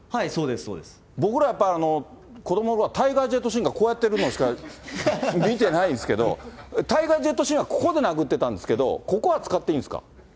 僕らやっぱり、子どものころ、タイガー・ジェットシンがこうやってるのしか見てないですけど、タイガー・ジェットシンはここで殴ってたんですけど、ここは使っていいんですか？